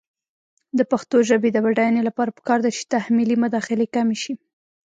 د پښتو ژبې د بډاینې لپاره پکار ده چې تحمیلي مداخلې کمې شي.